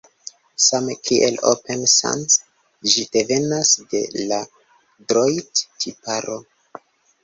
Same kiel Open Sans, ĝi devenas de la Droid-tiparo.